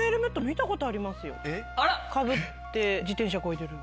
見たことあります。